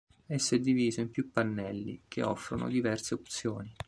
Esso è diviso in più pannelli, che offrono diverse opzioni.